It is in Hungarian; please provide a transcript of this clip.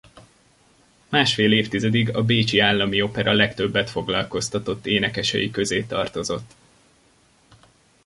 Másfél évtizedig a Bécsi Állami Opera legtöbbet foglalkoztatott énekesei közé tartozott.